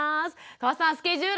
河さんスケジュール